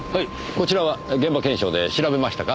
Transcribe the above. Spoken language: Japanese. こちらは現場検証で調べましたか？